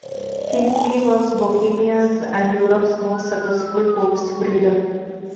Kinsky was Bohemia's and Europe's most successful horse breeder.